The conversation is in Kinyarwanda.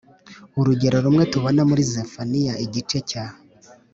urugero rumwe tubona muri Zefaniya igice cya